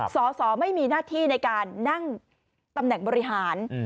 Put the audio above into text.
สอสอไม่มีหน้าที่ในการนั่งตำแหน่งบริหาร